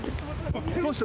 どうした？